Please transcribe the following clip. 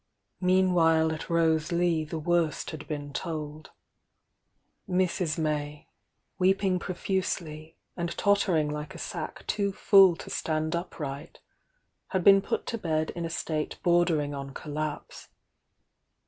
Meanwhile at Ilose Lea the worst had been told. Mrs. May, weeping profusely, and tottering like a sa^k too full to stand upri^t, had been put to bed in a state bordering on collapse.